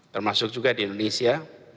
termasuk juga di indonesia